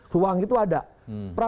ruang itu ada